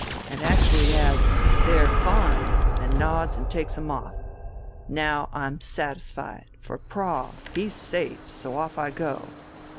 and actually adds: 'They're fine!' and nods and takes them off. Now I'm satisfied, for Prahl, he's safe, so off I go.